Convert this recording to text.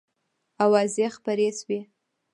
آوازې خپرې شوې.